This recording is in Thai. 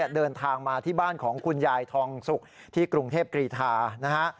เดินทางมาที่บ้านของคุณยายทองสุกที่กรุงเทพกรีธานะฮะ